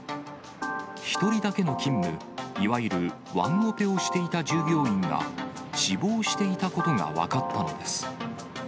１人だけの勤務、いわゆるワンオペをしていた従業員が、死亡していたことが分かったのです。